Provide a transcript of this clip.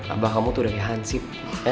abah kamu tuh udah kaya hansip